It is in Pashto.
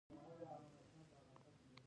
مينې ځواب ورکړ چې بلې زه يم ډاکټر صاحب.